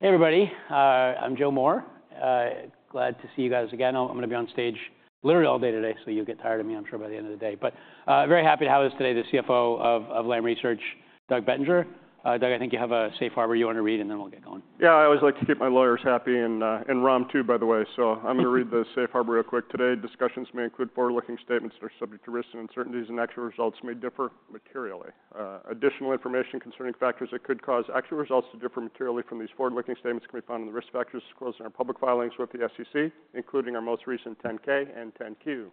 Hey everybody. I'm Joe Moore. Glad to see you guys again. I'm going to be on stage literally all day today, so you'll get tired of me, I'm sure, by the end of the day. But very happy to have us today, the CFO of Lam Research, Doug Bettinger. Doug, I think you have a Safe Harbor you want to read, and then we'll get going. Yeah, I always like to keep my lawyers happy. And, and Ram too, by the way. So I'm going to read the Safe Harbor real quick today. Discussions may include forward-looking statements that are subject to risks and uncertainties, and actual results may differ materially. Additional information concerning factors that could cause actual results to differ materially from these forward-looking statements can be found in the risk factors disclosed in our public filings with the SEC, including our most recent 10-K and 10-Q.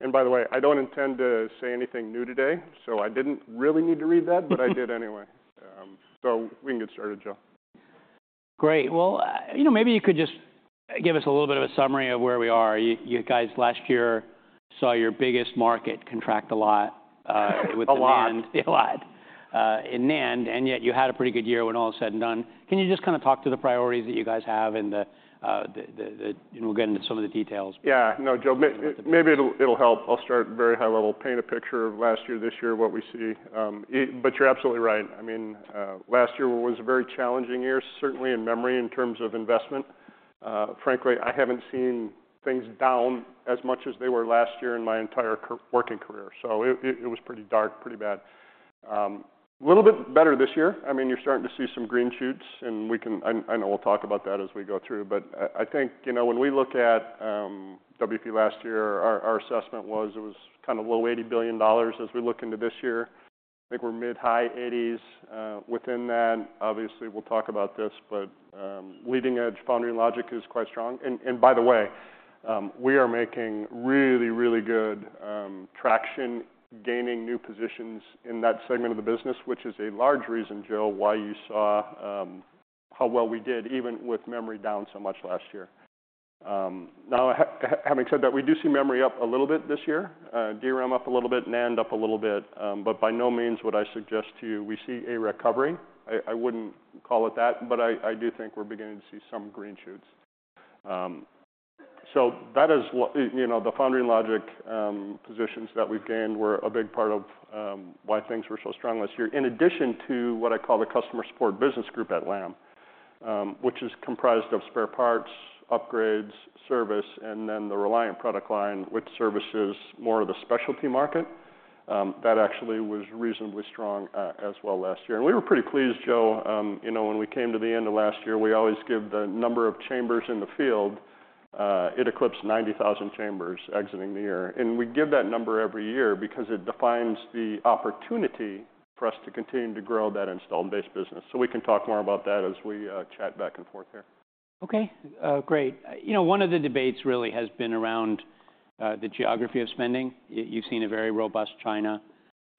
And by the way, I don't intend to say anything new today, so I didn't really need to read that, but I did anyway. So we can get started, Joe. Great. Well, you know, maybe you could just give us a little bit of a summary of where we are. You guys last year saw your biggest market contract a lot with NAND. A lot. A lot in NAND. And yet you had a pretty good year when all is said and done. Can you just kind of talk to the priorities that you guys have and the and we'll get into some of the details? Yeah. No, Joe, maybe it'll help. I'll start very high level. Paint a picture of last year, this year, what we see. But you're absolutely right. I mean, last year was a very challenging year, certainly in memory, in terms of investment. Frankly, I haven't seen things down as much as they were last year in my entire career. So it was pretty dark, pretty bad. A little bit better this year. I mean, you're starting to see some green shoots. And I know we'll talk about that as we go through. But I think, you know, when we look at WFE last year, our assessment was it was kind of low $80 billion as we look into this year. I think we're mid-high 80s. Within that, obviously, we'll talk about this. But leading edge foundry and logic is quite strong. And by the way, we are making really, really good traction, gaining new positions in that segment of the business, which is a large reason, Joe, why you saw how well we did, even with memory down so much last year. Now, having said that, we do see memory up a little bit this year. DRAM up a little bit, NAND up a little bit. But by no means would I suggest to you we see a recovery. I wouldn't call it that. But I do think we're beginning to see some green shoots. So that is, you know, the foundry and logic positions that we've gained were a big part of why things were so strong last year, in addition to what I call the Customer Support Business Group at Lam, which is comprised of spare parts, upgrades, service, and then the Reliant product line, which services more of the specialty market. That actually was reasonably strong, as well last year. We were pretty pleased, Joe. You know, when we came to the end of last year, we always give the number of chambers in the field. It eclipsed 90,000 chambers exiting the year. We give that number every year because it defines the opportunity for us to continue to grow that installed base business. So we can talk more about that as we chat back and forth here. OK. Great. You know, one of the debates really has been around the geography of spending. You've seen a very robust China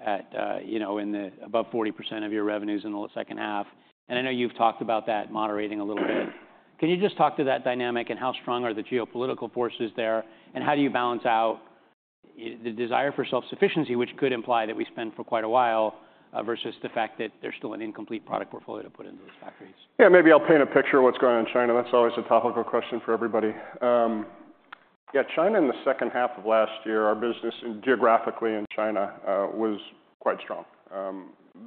at, you know, above 40% of your revenues in the last second half. And I know you've talked about that moderating a little bit. Can you just talk to that dynamic and how strong are the geopolitical forces there? And how do you balance out, you know, the desire for self-sufficiency, which could imply that we spend for quite a while, versus the fact that there's still an incomplete product portfolio to put into those factories? Yeah, maybe I'll paint a picture of what's going on in China. That's always a topical question for everybody. Yeah, China in the second half of last year, our business geographically in China, was quite strong.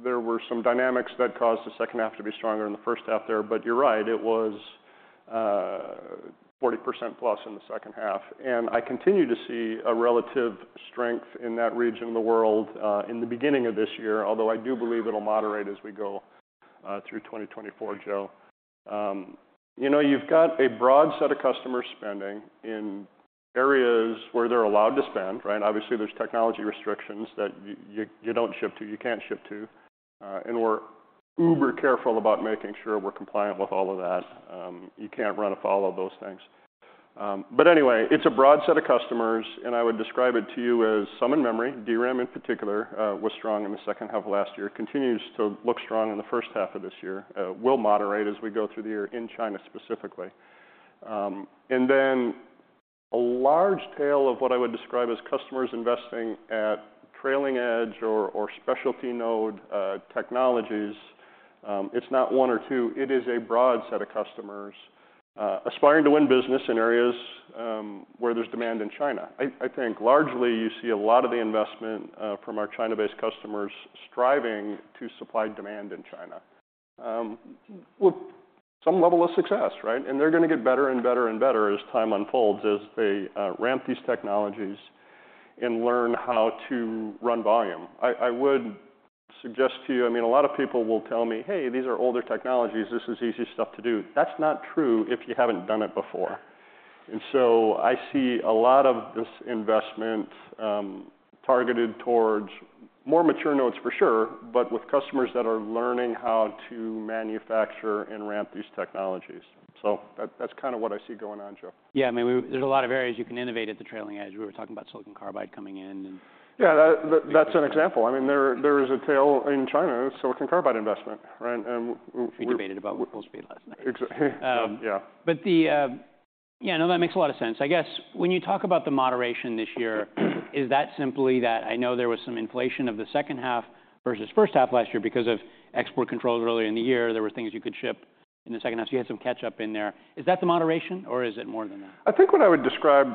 There were some dynamics that caused the second half to be stronger than the first half there. But you're right. It was +40% in the second half. And I continue to see a relative strength in that region of the world, in the beginning of this year, although I do believe it'll moderate as we go through 2024, Joe. You know, you've got a broad set of customers spending in areas where they're allowed to spend, right? Obviously, there's technology restrictions that you don't ship to, you can't ship to. And we're uber careful about making sure we're compliant with all of that. You can't run afoul of those things. But anyway, it's a broad set of customers. And I would describe it to you as some in memory, DRAM in particular, was strong in the second half of last year, continues to look strong in the first half of this year, will moderate as we go through the year in China specifically. And then a large tail of what I would describe as customers investing at trailing edge or, or specialty node, technologies, it's not one or two. It is a broad set of customers, aspiring to win business in areas, where there's demand in China. I, I think largely you see a lot of the investment, from our China-based customers striving to supply demand in China. W-with some level of success, right? And they're going to get better and better and better as time unfolds, as they, ramp these technologies and learn how to run volume. I would suggest to you I mean, a lot of people will tell me, "Hey, these are older technologies. This is easy stuff to do." That's not true if you haven't done it before. And so I see a lot of this investment, targeted towards more mature nodes for sure, but with customers that are learning how to manufacture and ramp these technologies. So that's kind of what I see going on, Joe. Yeah. I mean, there's a lot of areas you can innovate at the trailing edge. We were talking about silicon carbide coming in and. Yeah, that's an example. I mean, there is a tail in China, silicon carbide investment, right? And we. We debated about Wolfspeed last night. Exa yeah. But yeah, no, that makes a lot of sense. I guess when you talk about the moderation this year, is that simply that I know there was some inflation of the second half versus first half last year because of export controls earlier in the year. There were things you could ship in the second half. So you had some catch-up in there. Is that the moderation, or is it more than that? I think what I would describe,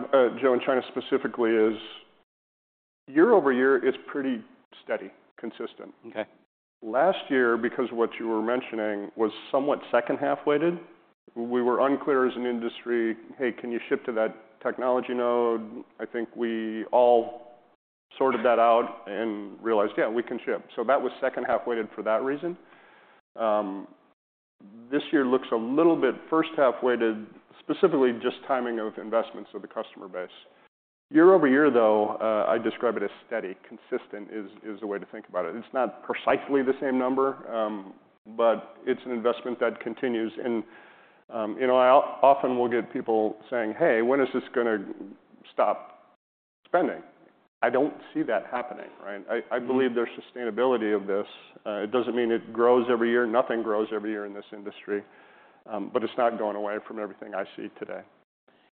Joe, in China specifically is year-over-year, it's pretty steady, consistent. OK. Last year, because of what you were mentioning, was somewhat second-half weighted. We were unclear as an industry, "Hey, can you ship to that technology node?" I think we all sorted that out and realized, "Yeah, we can ship." So that was second-half weighted for that reason. This year looks a little bit first-half weighted, specifically just timing of investments of the customer base. Year-over-year, though, I describe it as steady, consistent, is the way to think about it. It's not precisely the same number, but it's an investment that continues. And, you know, I often will get people saying, "Hey, when is this going to stop spending?" I don't see that happening, right? I believe there's sustainability of this. It doesn't mean it grows every year. Nothing grows every year in this industry. But it's not going away from everything I see today.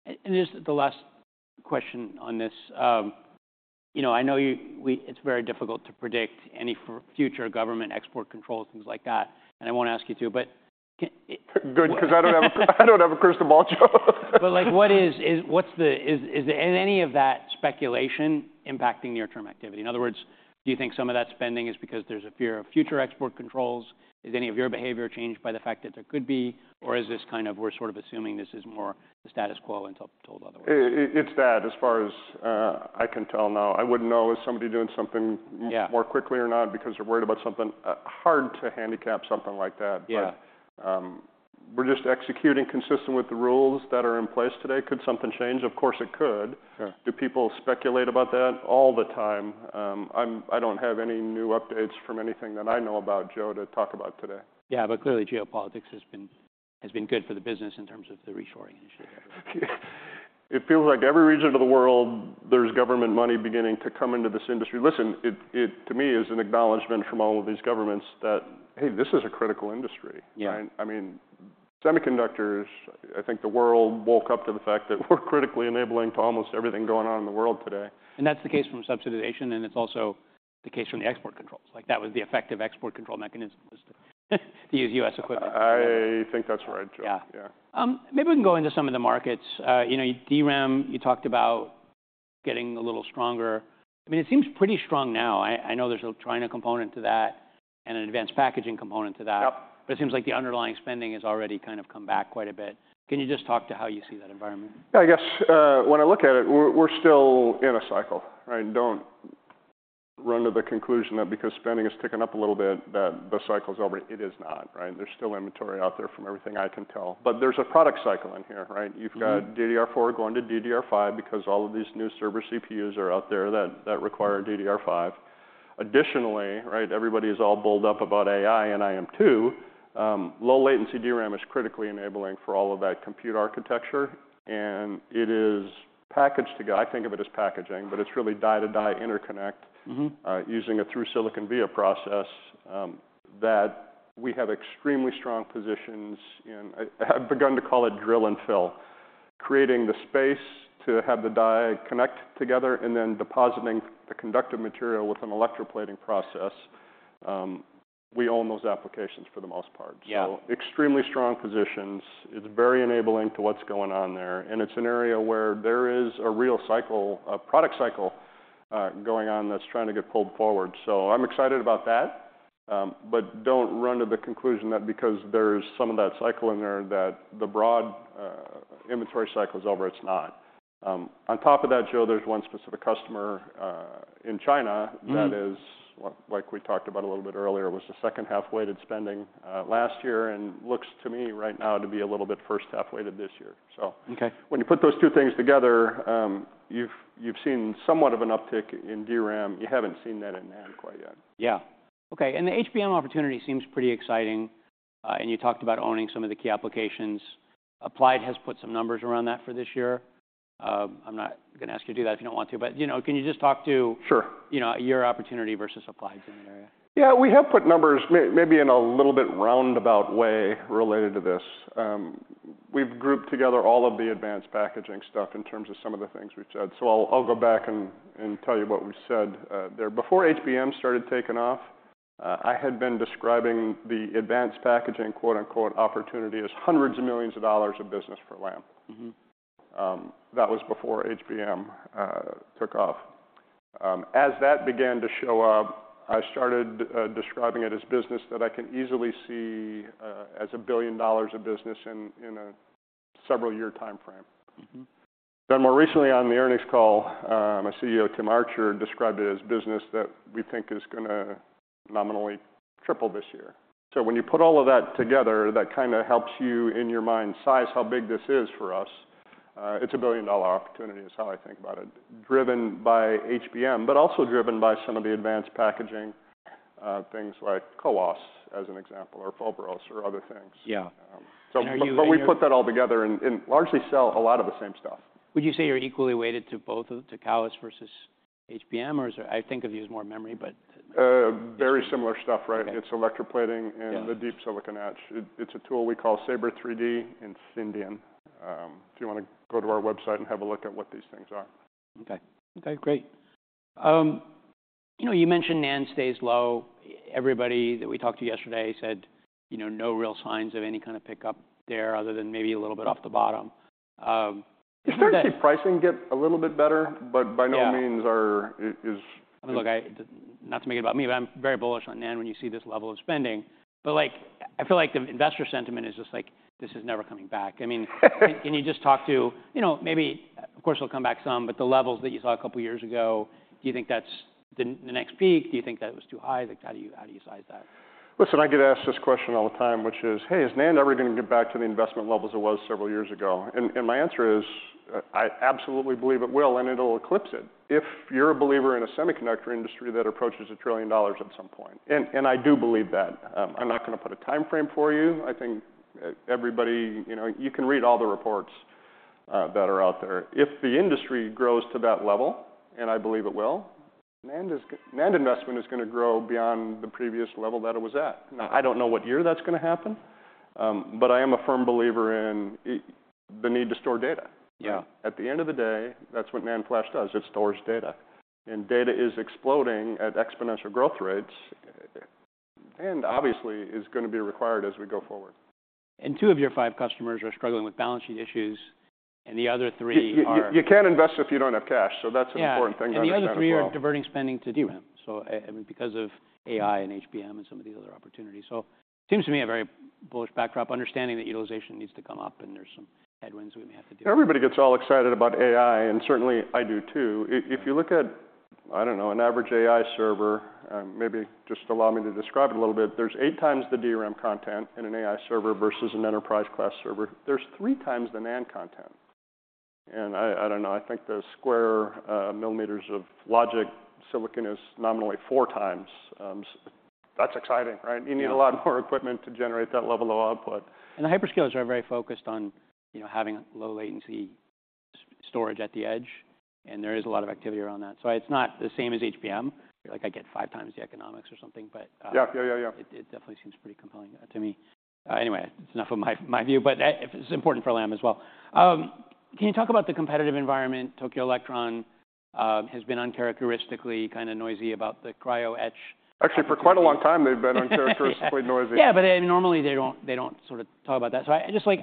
And just the last question on this. You know, I know it's very difficult to predict any future government export controls, things like that. And I won't ask you to. But can it. Good, because I don't have a crystal ball, Joe. But, like, what's the, is there any of that speculation impacting near-term activity? In other words, do you think some of that spending is because there's a fear of future export controls? Is any of your behavior changed by the fact that there could be? Or is this kind of, we're sort of assuming this is more the status quo until told otherwise? It's that as far as I can tell now. I wouldn't know. Is somebody doing something more quickly or not because they're worried about something? Hard to handicap something like that. But we're just executing consistent with the rules that are in place today. Could something change? Of course it could. Do people speculate about that all the time? I don't have any new updates from anything that I know about, Joe, to talk about today. Yeah, but clearly geopolitics has been good for the business in terms of the reshoring initiative. It feels like every region of the world, there's government money beginning to come into this industry. Listen, it to me is an acknowledgment from all of these governments that, "Hey, this is a critical industry," right? I mean, semiconductors, I think the world woke up to the fact that we're critically enabling to almost everything going on in the world today. That's the case from subsidization. It's also the case from the export controls. Like, that was the effective export control mechanism was to use U.S. equipment. I think that's right, Joe. Yeah. Maybe we can go into some of the markets. You know, DRAM, you talked about getting a little stronger. I mean, it seems pretty strong now. I, I know there's a China component to that and an advanced packaging component to that. Yep. But it seems like the underlying spending has already kind of come back quite a bit. Can you just talk to how you see that environment? Yeah, I guess, when I look at it, we're still in a cycle, right? Don't run to the conclusion that because spending has ticked up a little bit, that the cycle's over. It is not, right? There's still inventory out there from everything I can tell. But there's a product cycle in here, right? You've got DDR4 going to DDR5 because all of these new server CPUs are out there that require DDR5. Additionally, right, everybody is all bowled up about AI and HBM, too. Low latency DRAM is critically enabling for all of that compute architecture. It is packaged to go. I think of it as packaging, but it's really die-to-die interconnect, using a through-silicon via process, that we have extremely strong positions in. I've begun to call it drill and fill, creating the space to have the die connect together and then depositing the conductive material with an electroplating process. We own those applications for the most part. So extremely strong positions. It's very enabling to what's going on there. And it's an area where there is a real cycle, a product cycle, going on that's trying to get pulled forward. So I'm excited about that. But don't run to the conclusion that because there's some of that cycle in there that the broad, inventory cycle is over, it's not. On top of that, Joe, there's one specific customer in China that is, like we talked about a little bit earlier, was the second-half weighted spending last year and looks to me right now to be a little bit first-half weighted this year, so. OK. When you put those two things together, you've seen somewhat of an uptick in DRAM. You haven't seen that in NAND quite yet. Yeah. OK. And the HBM opportunity seems pretty exciting. And you talked about owning some of the key applications. Applied has put some numbers around that for this year. I'm not going to ask you to do that if you don't want to. But, you know, can you just talk to. Sure. You know, your opportunity versus Applied's in that area? Yeah, we have put numbers, maybe in a little bit roundabout way related to this. We've grouped together all of the advanced packaging stuff in terms of some of the things we've said. So I'll go back and tell you what we've said there. Before HBM started taking off, I had been describing the advanced packaging, quote-unquote, opportunity as hundreds of millions of dollars of business for Lam. That was before HBM took off. As that began to show up, I started describing it as business that I can easily see as a billion-dollar of business in a several-year time frame. Then more recently on the earnings call, our CEO, Tim Archer, described it as business that we think is going to nominally triple this year. When you put all of that together, that kind of helps you in your mind size how big this is for us. It's a billion-dollar opportunity, is how I think about it, driven by HBM but also driven by some of the advanced packaging, things like CoWoS as an example or Foveros or other things. Yeah. Now, you know. But we put that all together and largely sell a lot of the same stuff. Would you say you're equally weighted to both of to CoWoS versus HBM? Or is there? I think of you as more memory, but. Very similar stuff, right? It's electroplating and the deep silicon etch. It's a tool we call Sabre 3D and Syndion. If you want to go to our website and have a look at what these things are. Okay. Okay, great. You know, you mentioned NAND stays low. Everybody that we talked to yesterday said, you know, no real signs of any kind of pickup there other than maybe a little bit off the bottom. Is there any pricing getting a little bit better? But by no means are we. I mean, look, I don't want to make it about me, but I'm very bullish on NAND when you see this level of spending. But, like, I feel like the investor sentiment is just like, "This is never coming back." I mean, can you just talk to, you know, maybe of course, it'll come back some, but the levels that you saw a couple of years ago, do you think that's the next peak? Do you think that it was too high? Like, how do you size that? Listen, I get asked this question all the time, which is, "Hey, is NAND ever going to get back to the investment levels it was several years ago?" And my answer is, I absolutely believe it will. And it'll eclipse it if you're a believer in a semiconductor industry that approaches a trillion-dollar at some point. And I do believe that. I'm not going to put a time frame for you. I think everybody, you know, you can read all the reports that are out there. If the industry grows to that level, and I believe it will, NAND investment is going to grow beyond the previous level that it was at. Now, I don't know what year that's going to happen, but I am a firm believer in the need to store data. Yeah. At the end of the day, that's what NAND flash does. It stores data. Data is exploding at exponential growth rates and obviously is going to be required as we go forward. Two of your five customers are struggling with balance sheet issues. And the other three are. You can't invest if you don't have cash. So that's an important thing to understand. And the other three are diverting spending to DRAM. So I mean, because of AI and HBM and some of these other opportunities. So it seems to me a very bullish backdrop, understanding that utilization needs to come up. And there's some headwinds we may have to deal with. Everybody gets all excited about AI. And certainly, I do too. If you look at, I don't know, an average AI server, maybe just allow me to describe it a little bit. There's 8 times the DRAM content in an AI server versus an enterprise-class server. There's 3x the NAND content. And I don't know. I think the square millimeters of logic silicon is nominally 4x. That's exciting, right? You need a lot more equipment to generate that level of output. The hyperscalers are very focused on, you know, having low latency storage at the edge. There is a lot of activity around that. So it's not the same as HBM. Like, I get five times the economics or something. But, Yeah, yeah, yeah, yeah. It definitely seems pretty compelling to me. Anyway, it's enough of my view. But that it's important for LAM as well. Can you talk about the competitive environment? Tokyo Electron has been uncharacteristically kind of noisy about the cryo etch. Actually, for quite a long time, they've been uncharacteristically noisy. Yeah, but I mean, normally, they don't sort of talk about that. So I just, like,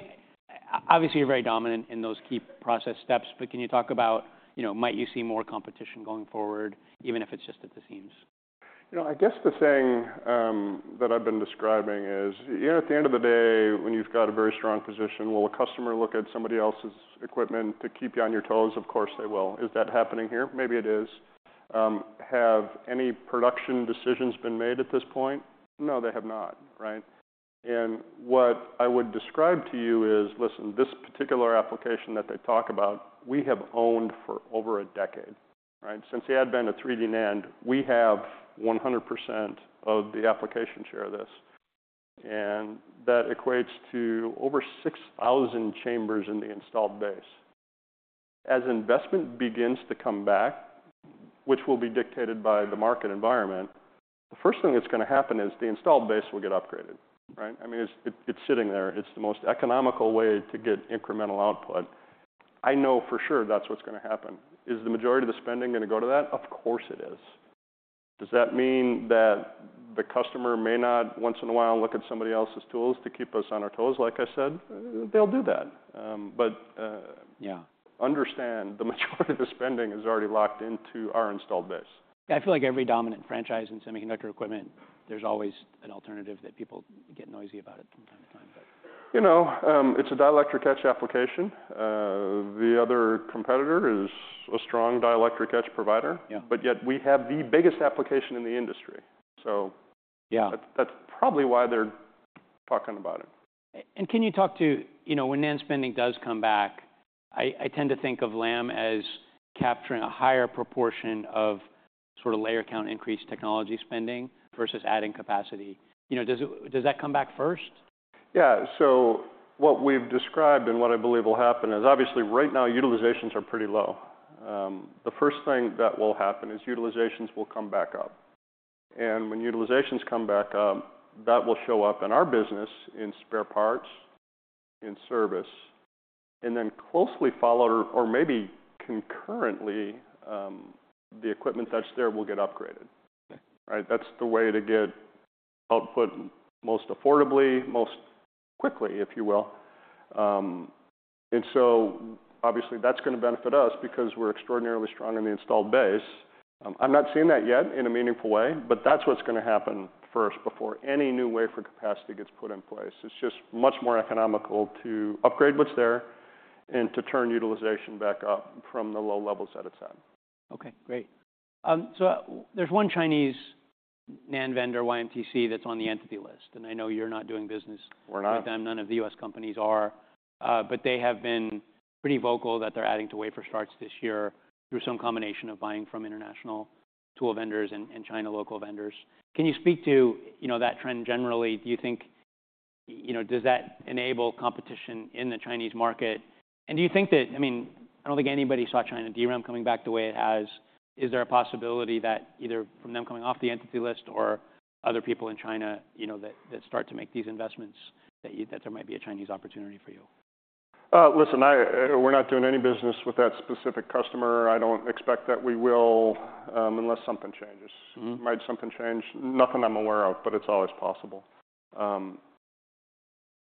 obviously, you're very dominant in those key process steps. But can you talk about, you know, might you see more competition going forward, even if it's just at the seams? You know, I guess the saying that I've been describing is, you know, at the end of the day, when you've got a very strong position, will a customer look at somebody else's equipment to keep you on your toes? Of course, they will. Is that happening here? Maybe it is. Have any production decisions been made at this point? No, they have not, right? And what I would describe to you is, listen, this particular application that they talk about, we have owned for over a decade, right? Since the advent of 3D NAND, we have 100% of the application share of this. And that equates to over 6,000 chambers in the installed base. As investment begins to come back, which will be dictated by the market environment, the first thing that's going to happen is the installed base will get upgraded, right? I mean, it's, it-it's sitting there. It's the most economical way to get incremental output. I know for sure that's what's going to happen. Is the majority of the spending going to go to that? Of course it is. Does that mean that the customer may not once in a while look at somebody else's tools to keep us on our toes, like I said? They'll do that. but Yeah. Understand the majority of the spending is already locked into our installed base. Yeah, I feel like every dominant franchise in semiconductor equipment, there's always an alternative that people get noisy about it from time to time, but. You know, it's a dielectric etch application. The other competitor is a strong dielectric etch provider. Yeah. But yet, we have the biggest application in the industry. So. Yeah. That's probably why they're talking about it. And can you talk to, you know, when NAND spending does come back, I tend to think of LAM as capturing a higher proportion of sort of layer count increase technology spending versus adding capacity. You know, does that come back first? Yeah. So what we've described and what I believe will happen is, obviously, right now, utilizations are pretty low. The first thing that will happen is utilizations will come back up. And when utilizations come back up, that will show up in our business in spare parts, in service, and then closely followed or maybe concurrently, the equipment that's there will get upgraded, right? That's the way to get output most affordably, most quickly, if you will. And so obviously, that's going to benefit us because we're extraordinarily strong in the installed base. I'm not seeing that yet in a meaningful way. But that's what's going to happen first before any new wave for capacity gets put in place. It's just much more economical to upgrade what's there and to turn utilization back up from the low levels that it's at. OK, great. So there's one Chinese NAND vendor, YMTC, that's on the Entity List. I know you're not doing business. We're not. With them. None of the US companies are. But they have been pretty vocal that they're adding to wafer starts this year through some combination of buying from international tool vendors and China local vendors. Can you speak to, you know, that trend generally? Do you think, you know, does that enable competition in the Chinese market? And do you think that I mean, I don't think anybody saw China DRAM coming back the way it has. Is there a possibility that either from them coming off the Entity List or other people in China, you know, that, that start to make these investments, that you that there might be a Chinese opportunity for you? Listen, we're not doing any business with that specific customer. I don't expect that we will, unless something changes. Might something change? Nothing I'm aware of. But it's always possible.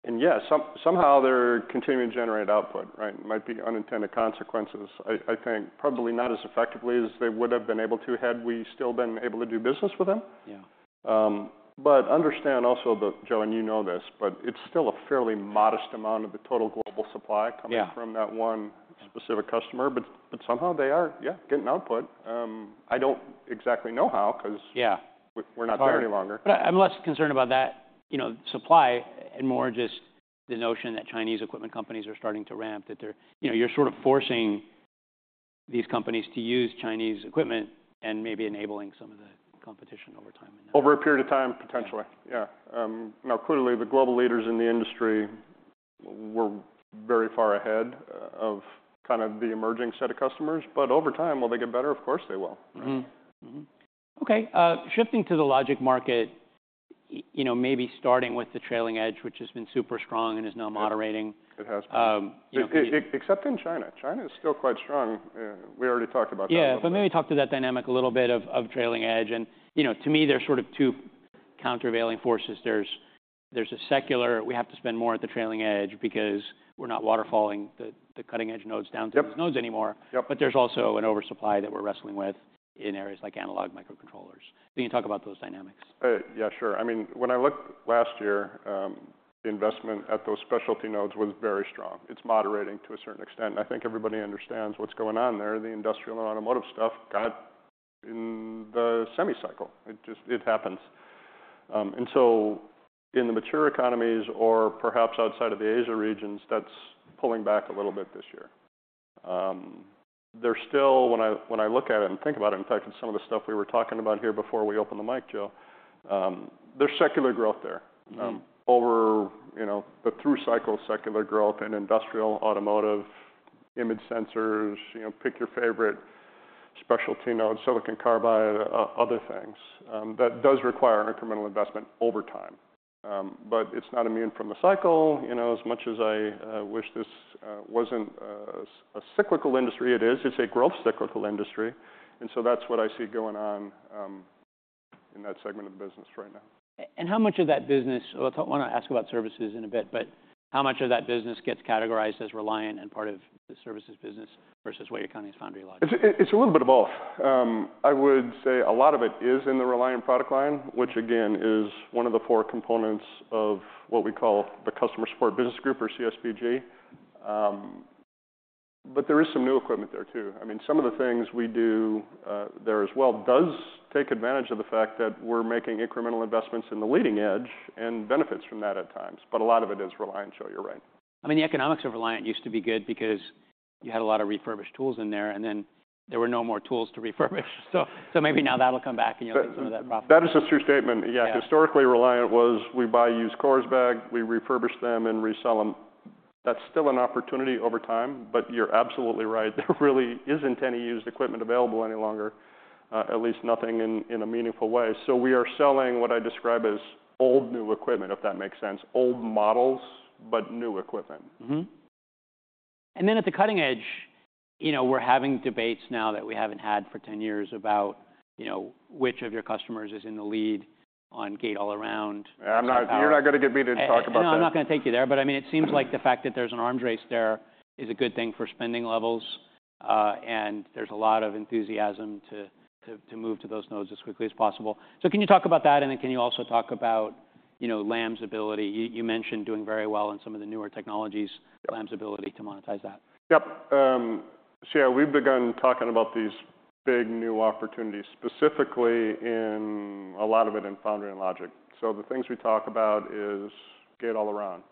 And yeah, somehow, they're continuing to generate output, right? Might be unintended consequences. I think, probably not as effectively as they would have been able to had we still been able to do business with them. Yeah. Understand also that Joe, and you know this, but it's still a fairly modest amount of the total global supply coming. Yeah. From that one specific customer. But somehow, they are, yeah, getting output. I don't exactly know how because. Yeah. We're not there any longer. But I'm less concerned about that, you know, supply and more just the notion that Chinese equipment companies are starting to ramp, that they're, you know, you're sort of forcing these companies to use Chinese equipment and maybe enabling some of the competition over time and now. Over a period of time, potentially. Yeah. Now, clearly, the global leaders in the industry were very far ahead of kind of the emerging set of customers. But over time, will they get better? Of course, they will, right? OK. Shifting to the logic market, you know, maybe starting with the trailing edge, which has been super strong and is now moderating. It has been. You know, the. Except in China. China is still quite strong. We already talked about that a little bit. Yeah. But maybe talk to that dynamic a little bit of trailing edge. And, you know, to me, there's sort of two countervailing forces. There's a secular, we have to spend more at the trailing edge because we're not waterfalling the cutting-edge nodes down to these nodes anymore. Yep. Yep. But there's also an oversupply that we're wrestling with in areas like analog microcontrollers. Can you talk about those dynamics? Yeah, sure. I mean, when I looked last year, the investment at those specialty nodes was very strong. It's moderating to a certain extent. And I think everybody understands what's going on there. The industrial and automotive stuff got in the semi cycle. It just happens. And so in the mature economies or perhaps outside of the Asia regions, that's pulling back a little bit this year. There's still, when I look at it and think about it, in fact, it's some of the stuff we were talking about here before we opened the mic, Joe, there's secular growth there, over, you know, the through-cycle secular growth in industrial, automotive, image sensors, you know, pick-your-favorite specialty node, silicon carbide, other things. That does require incremental investment over time. But it's not immune from the cycle, you know, as much as I wish this wasn't a cyclical industry. It is. It's a growth cyclical industry. And so that's what I see going on, in that segment of the business right now. And how much of that business? Well, I want to ask about services in a bit. But how much of that business gets categorized as Reliant and part of the services business versus what your company's foundry logic is? It's, it's a little bit of both. I would say a lot of it is in the Reliant product line, which, again, is one of the four components of what we call the Customer Support Business Group or CSBG. But there is some new equipment there too. I mean, some of the things we do, there as well does take advantage of the fact that we're making incremental investments in the leading edge and benefits from that at times. But a lot of it is Reliant, Joe. You're right. I mean, the economics of Reliant used to be good because you had a lot of refurbished tools in there. And then there were no more tools to refurbish. So maybe now, that'll come back. And you'll get some of that profit. That is a true statement. Yeah. Historically, Reliant was we buy used cores back. We refurbish them and resell them. That's still an opportunity over time. But you're absolutely right. There really isn't any used equipment available any longer, at least nothing in a meaningful way. So we are selling what I describe as old new equipment, if that makes sense, old models but new equipment. Mm-hmm. And then at the cutting edge, you know, we're having debates now that we haven't had for 10 years about, you know, which of your customers is in the lead on gate-all-around. Yeah. You're not going to get me to talk about that. No, I'm not going to take you there. But I mean, it seems like the fact that there's an arms race there is a good thing for spending levels. And there's a lot of enthusiasm to move to those nodes as quickly as possible. So can you talk about that? And then can you also talk about, you know, Lam's ability? You mentioned doing very well in some of the newer technologies, Lam's ability to monetize that. Yep. So,, we've begun talking about these big new opportunities, specifically in a lot of it in foundry and logic. So the things we talk about is gate-all-around.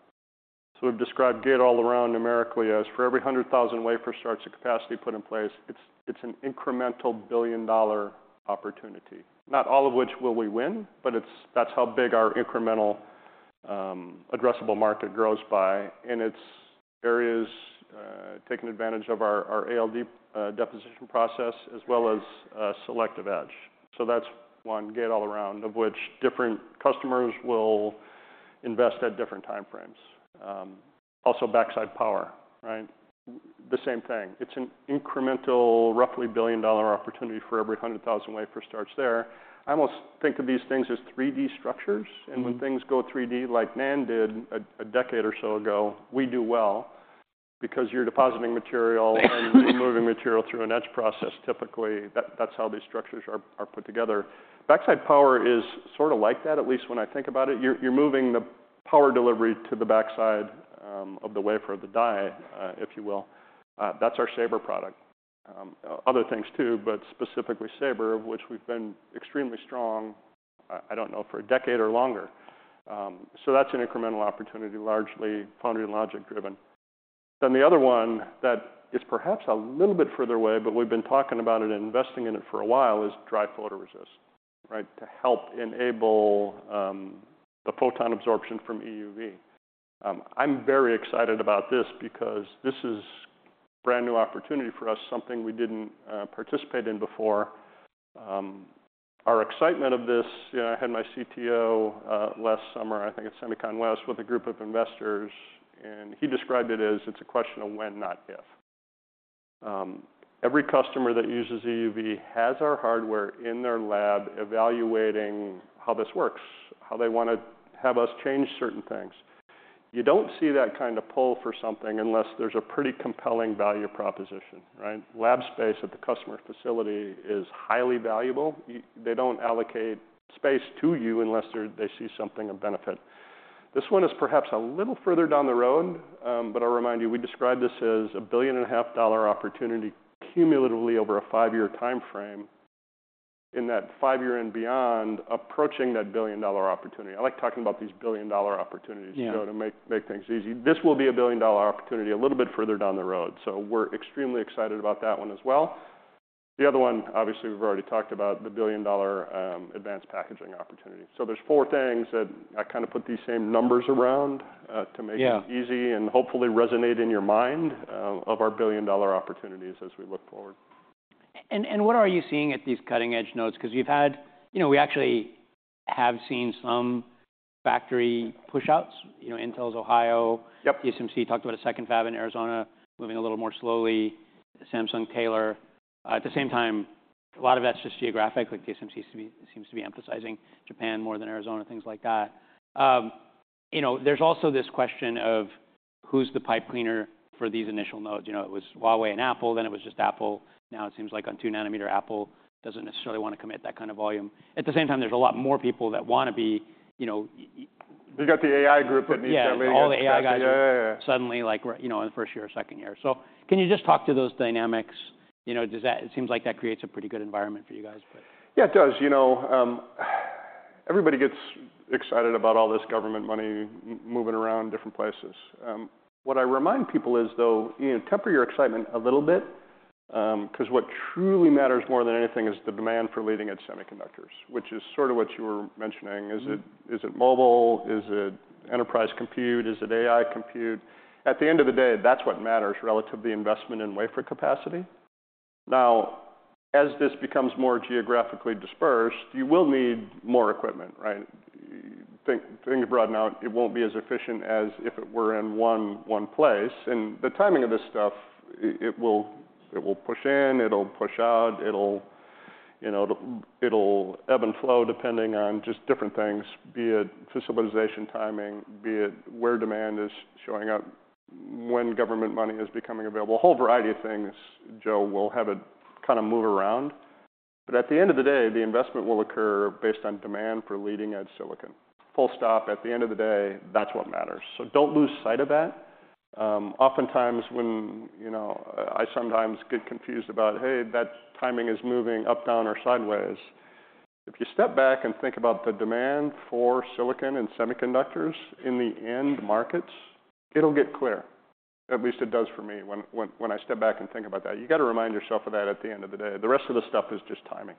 So we've described gate-all-around numerically as for every 100,000 wafer starts of capacity put in place, it's, it's an incremental billion-dollar opportunity, not all of which will we win. But it's that's how big our incremental, addressable market grows by. And it's areas, taking advantage of our, our ALD, deposition process as well as, selective edge. So that's one, gate-all-around, of which different customers will invest at different time frames. Also backside power, right? The same thing. It's an incremental, roughly billion-dollar opportunity for every 100,000 wafer starts there. I almost think of these things as 3D structures. And when things go 3D, like NAND did a decade or so ago, we do well because you're depositing material and removing material through an etch process, typically. That's how these structures are put together. backside power is sort of like that, at least when I think about it. You're moving the power delivery to the backside of the wafer, the die, if you will. That's our Sabre product. Other things too, but specifically Sabre, of which we've been extremely strong, I don't know, for a decade or longer. So that's an incremental opportunity, largely foundry and logic driven. Then the other one that is perhaps a little bit further away, but we've been talking about it and investing in it for a while, is dry photoresist, right, to help enable the photon absorption from EUV. I'm very excited about this because this is brand new opportunity for us, something we didn't participate in before. Our excitement of this, you know, I had my CTO, last summer, I think at SEMICON West, with a group of investors. And he described it as, it's a question of when, not if. Every customer that uses EUV has our hardware in their lab evaluating how this works, how they want to have us change certain things. You don't see that kind of pull for something unless there's a pretty compelling value proposition, right? Lab space at the customer facility is highly valuable. Why they don't allocate space to you unless they see something of benefit. This one is perhaps a little further down the road. But I'll remind you, we describe this as a $1.5 billion opportunity cumulatively over a five-year time frame. In that five-year and beyond, approaching that billion-dollar opportunity. I like talking about these billion-dollar opportunities, Joe, to make, make things easy. This will be a billion-dollar opportunity a little bit further down the road. So we're extremely excited about that one as well. The other one, obviously, we've already talked about, the billion-dollar advanced packaging opportunity. So there's four things that I kind of put these same numbers around, to make it. Yeah. Easy and hopefully resonate in your mind, of our billion-dollar opportunities as we look forward. And what are you seeing at these cutting-edge nodes? Because you've had, you know, we actually have seen some factory push-outs, you know, Intel's Ohio. Yep. TSMC talked about a second fab in Arizona moving a little more slowly, Samsung Taylor. At the same time, a lot of that's just geographic. Like, TSMC seems to be emphasizing Japan more than Arizona, things like that. You know, there's also this question of, who's the pipe cleaner for these initial nodes? You know, it was Huawei and Apple. Then it was just Apple. Now, it seems like on two-nanometer Apple doesn't necessarily want to commit that kind of volume. At the same time, there's a lot more people that want to be, you know. We've got the AI group that needs that leadership. Yeah. All the AI guys. Yeah, yeah, yeah. Suddenly, like, you know, in the first year or second year. So can you just talk to those dynamics? You know, does that it seems like that creates a pretty good environment for you guys, but. Yeah, it does. You know, everybody gets excited about all this government money moving around different places. What I remind people is, though, you know, temper your excitement a little bit, because what truly matters more than anything is the demand for leading edge semiconductors, which is sort of what you were mentioning. Is it mobile? Is it enterprise compute? Is it AI compute? At the end of the day, that's what matters relative to the investment in wafer capacity. Now, as this becomes more geographically dispersed, you will need more equipment, right? Think broaden out. It won't be as efficient as if it were in one place. And the timing of this stuff, it will push in. It'll push out. It'll, you know, it'll ebb and flow depending on just different things, be it facilitization timing, be it where demand is showing up, when government money is becoming available, a whole variety of things, Joe, will have it kind of move around. But at the end of the day, the investment will occur based on demand for leading edge silicon. Full stop. At the end of the day, that's what matters. So don't lose sight of that. Oftentimes, when, you know, I sometimes get confused about, hey, that timing is moving up, down, or sideways. If you step back and think about the demand for silicon and semiconductors in the end markets, it'll get clear, at least it does for me when, when, when I step back and think about that. You've got to remind yourself of that at the end of the day. The rest of the stuff is just timing.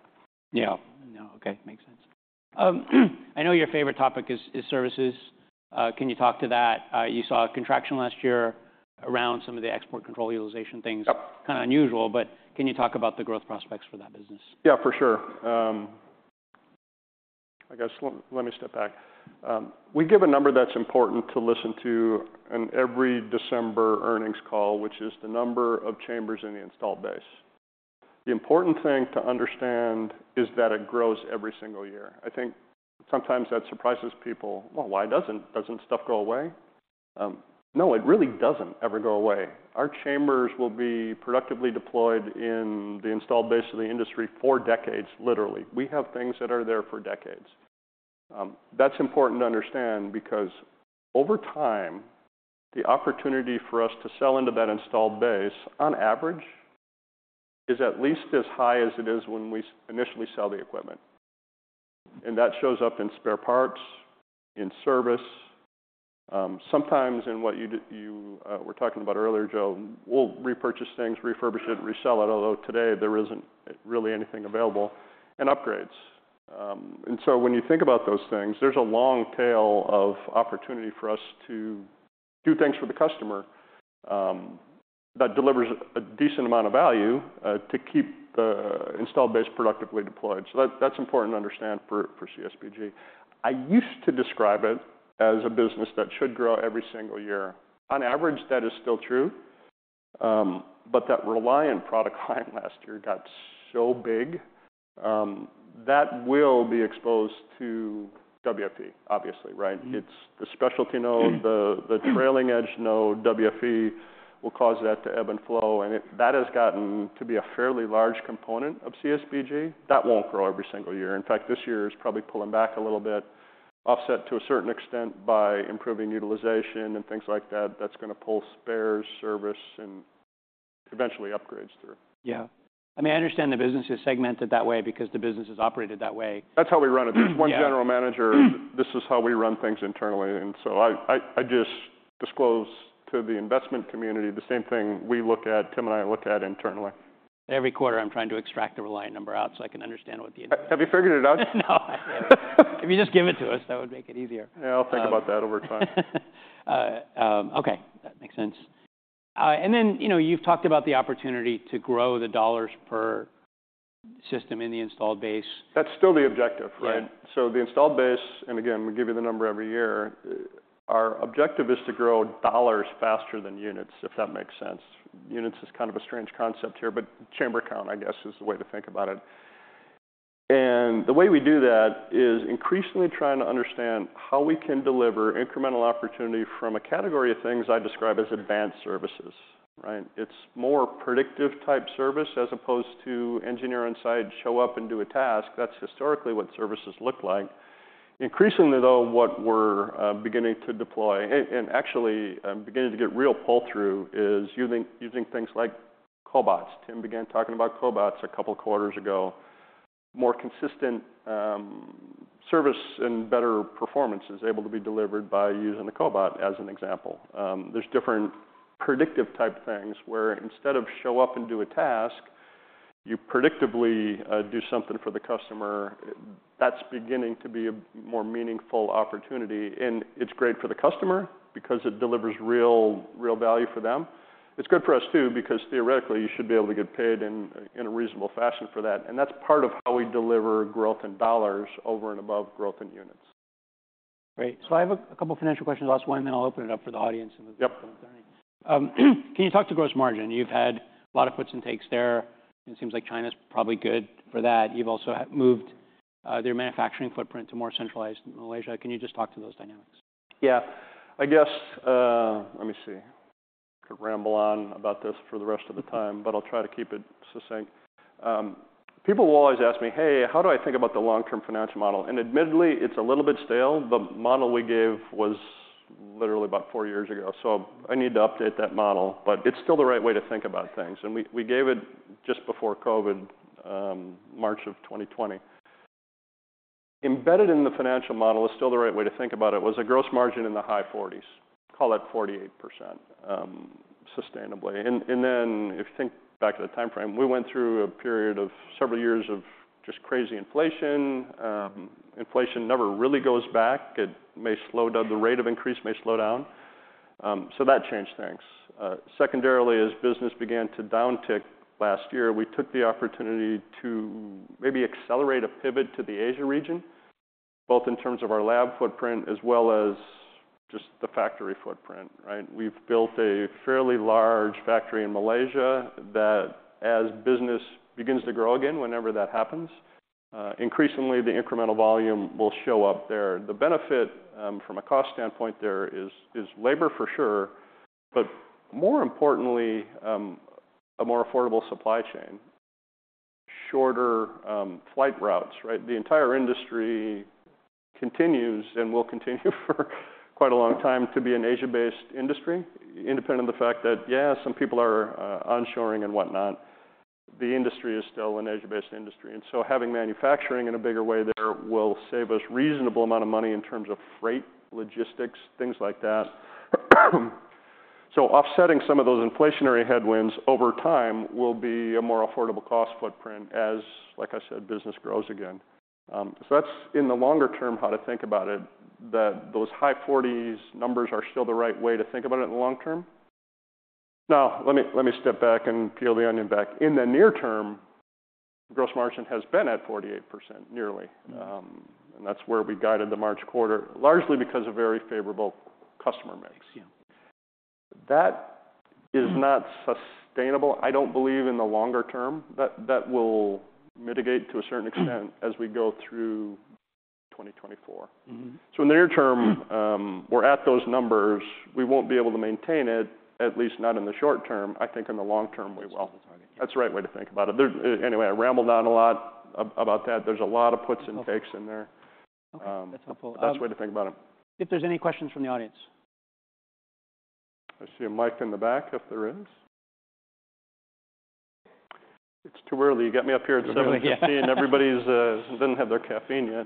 Yeah. No. OK. Makes sense. I know your favorite topic is services. Can you talk to that? You saw a contraction last year around some of the export control utilization things. Yep. Kind of unusual. But can you talk about the growth prospects for that business? Yeah, for sure. I guess let me step back. We give a number that's important to listen to in every December earnings call, which is the number of chambers in the installed base. The important thing to understand is that it grows every single year. I think sometimes, that surprises people. Well, why doesn't stuff go away? No, it really doesn't ever go away. Our chambers will be productively deployed in the installed base of the industry for decades, literally. We have things that are there for decades. That's important to understand because over time, the opportunity for us to sell into that installed base, on average, is at least as high as it is when we initially sell the equipment. And that shows up in spare parts, in service, sometimes in what you do, you were talking about earlier, Joe. We'll repurchase things, refurbish it, resell it, although today, there isn't really anything available, and upgrades. And so when you think about those things, there's a long tail of opportunity for us to do things for the customer that delivers a decent amount of value to keep the installed base productively deployed. So that, that's important to understand for CSBG. I used to describe it as a business that should grow every single year. On average, that is still true. But that Reliant product line last year got so big that it will be exposed to WFE, obviously, right? It's the specialty node, the trailing edge node. WFE will cause that to ebb and flow. And that has gotten to be a fairly large component of CSBG. That won't grow every single year. In fact, this year is probably pulling back a little bit, offset to a certain extent by improving utilization and things like that. That's going to pull spares, service, and eventually upgrades through. Yeah. I mean, I understand the business is segmented that way because the business is operated that way. That's how we run it. There's one general manager. This is how we run things internally. And so I just disclose to the investment community the same thing we look at, Tim and I look at internally. Every quarter, I'm trying to extract the Reliant number out so I can understand what the. Have you figured it out? No. If you just give it to us, that would make it easier. Yeah. I'll think about that over time. OK. That makes sense. And then, you know, you've talked about the opportunity to grow the dollars per system in the installed base. That's still the objective, right? Right. So the installed base and again, we give you the number every year. Our objective is to grow dollars faster than units, if that makes sense. Units is kind of a strange concept here. But chamber count, I guess, is the way to think about it. And the way we do that is increasingly trying to understand how we can deliver incremental opportunity from a category of things I describe as advanced services, right? It's more predictive-type service as opposed to engineer on site, show up, and do a task. That's historically what services looked like. Increasingly, though, what we're beginning to deploy and actually beginning to get real pull-through is using things like cobots. Tim began talking about cobots a couple quarters ago. More consistent service and better performance is able to be delivered by using the cobot, as an example. There's different predictive-type things where instead of show up and do a task, you predictively do something for the customer. That's beginning to be a more meaningful opportunity. It's great for the customer because it delivers real, real value for them. It's good for us too because theoretically, you should be able to get paid in a reasonable fashion for that. That's part of how we deliver growth in dollars over and above growth in units. Great. So I have a couple financial questions last one. Then I'll open it up for the audience and the. Yep. Can you talk to gross margin? You've had a lot of puts and takes there. And it seems like China's probably good for that. You've also moved your manufacturing footprint to more centralized Malaysia. Can you just talk to those dynamics? Yeah. I guess, let me see. I could ramble on about this for the rest of the time. But I'll try to keep it succinct. People will always ask me, hey, how do I think about the long-term financial model? And admittedly, it's a little bit stale. The model we gave was literally about four years ago. So I need to update that model. But it's still the right way to think about things. And we, we gave it just before COVID, March of 2020. Embedded in the financial model is still the right way to think about it was a gross margin in the high 40s. Call it 48%, sustainably. And, and then if you think back at the time frame, we went through a period of several years of just crazy inflation. Inflation never really goes back. It may slow the rate of increase, may slow down. So that changed things. Secondarily, as business began to downtick last year, we took the opportunity to maybe accelerate a pivot to the Asia region, both in terms of our lab footprint as well as just the factory footprint, right? We've built a fairly large factory in Malaysia that, as business begins to grow again, whenever that happens, increasingly, the incremental volume will show up there. The benefit, from a cost standpoint there is, is labor for sure. But more importantly, a more affordable supply chain, shorter, flight routes, right? The entire industry continues and will continue for quite a long time to be an Asia-based industry, independent of the fact that, yeah, some people are, onshoring and whatnot. The industry is still an Asia-based industry. Having manufacturing in a bigger way there will save us a reasonable amount of money in terms of freight, logistics, things like that. Offsetting some of those inflationary headwinds over time will be a more affordable cost footprint as, like I said, business grows again. So that's in the longer term how to think about it, that those high 40s numbers are still the right way to think about it in the long term. Now, let me, let me step back and peel the onion back. In the near term, gross margin has been at nearly 48%. And that's where we guided the March quarter, largely because of very favorable customer mixes. Yeah. That is not sustainable. I don't believe in the longer term that that will mitigate to a certain extent as we go through 2024. Mm-hmm. So in the near term, we're at those numbers. We won't be able to maintain it, at least not in the short term. I think in the long term, we will. That's the target. That's the right way to think about it. Anyway, I rambled on a lot about that. There's a lot of puts and takes in there. OK. That's helpful. That's the way to think about it. If there's any questions from the audience. I see a mic in the back, if there is. It's too early. You got me up here at 7:15 A.M. Everybody's didn't have their caffeine yet.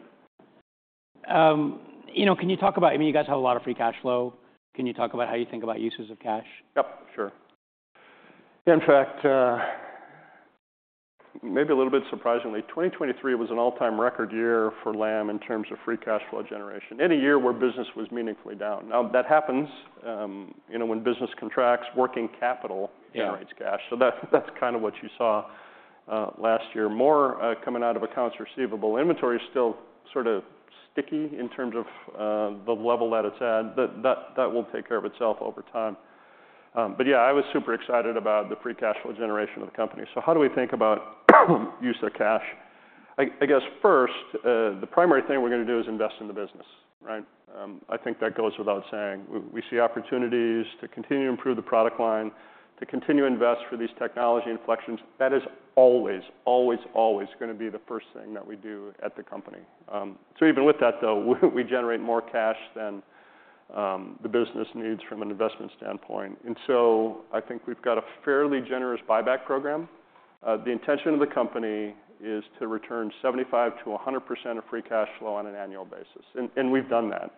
You know, can you talk about, I mean, you guys have a lot of free cash flow. Can you talk about how you think about uses of cash? Yep. Sure. In fact, maybe a little bit surprisingly, 2023 was an all-time record year for Lam in terms of free cash flow generation in any year where business was meaningfully down. Now, that happens, you know, when business contracts. Working capital generates cash. So that, that's kind of what you saw last year. More coming out of accounts receivable. Inventory is still sort of sticky in terms of the level that it's at. That will take care of itself over time. But yeah, I was super excited about the free cash flow generation of the company. So how do we think about use of cash? I guess first, the primary thing we're going to do is invest in the business, right? I think that goes without saying. We see opportunities to continue to improve the product line, to continue to invest for these technology inflections. That is always, always, always going to be the first thing that we do at the company. So even with that, though, we generate more cash than the business needs from an investment standpoint. I think we've got a fairly generous buyback program. The intention of the company is to return 75%-100% of free cash flow on an annual basis. We've done that.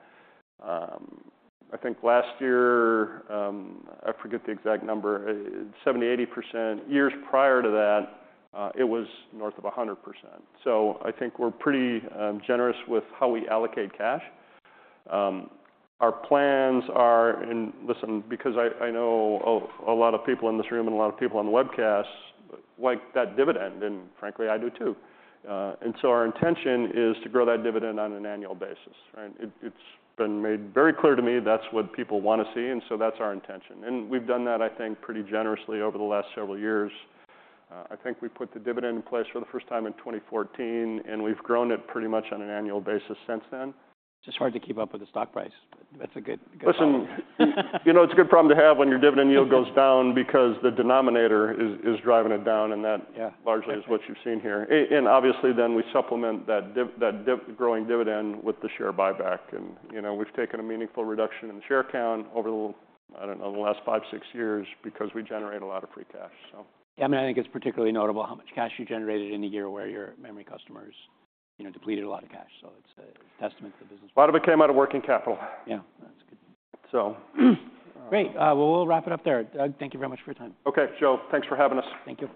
I think last year, I forget the exact number, 70%, 80%. Years prior to that, it was north of 100%. So I think we're pretty generous with how we allocate cash. Our plans are and listen, because I know a lot of people in this room and a lot of people on the webcast like that dividend. And frankly, I do too. Our intention is to grow that dividend on an annual basis, right? It's been made very clear to me that's what people want to see. And so that's our intention. And we've done that, I think, pretty generously over the last several years. I think we put the dividend in place for the first time in 2014. And we've grown it pretty much on an annual basis since then. It's just hard to keep up with the stock price. But that's a good, good. Listen, you know, it's a good problem to have when your dividend yield goes down because the denominator is driving it down. And that. Yeah. Largely is what you've seen here. And obviously, then, we supplement that dividend, that growing dividend with the share buyback. And, you know, we've taken a meaningful reduction in the share count over the, I don't know, the last five, six years because we generate a lot of free cash, so. Yeah. I mean, I think it's particularly notable how much cash you generated in the year where your memory customers, you know, depleted a lot of cash. So it's a, it's a testament to the business. A lot of it came out of working capital. Yeah. That's good. So, Great. Well, we'll wrap it up there. Doug, thank you very much for your time. OK. Joe, thanks for having us. Thank you.